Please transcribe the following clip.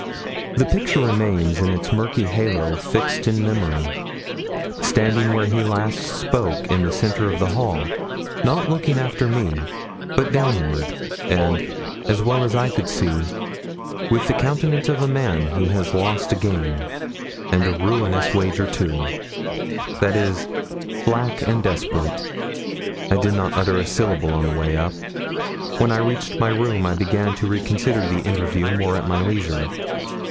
The picture remains in its murky halo fixed in memory. Standing where he last spoke in the centre of the hall, not looking after me, but downward, and, as well as I could see, with the countenance of a man who has lost a game, and a ruinous wager too that is black and desperate. I did not utter a syllable on the way up. When I reached my room, I began to reconsider the interview more at my leisure.